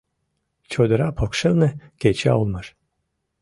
Чодыра покшелне кеча улмаш.